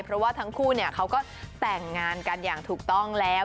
เพราะว่าทั้งคู่เขาก็แต่งงานกันอย่างถูกต้องแล้ว